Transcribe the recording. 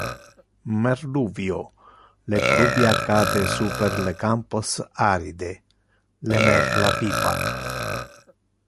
Merluvio: le pluvia cade super le campos aride: le merla pipa.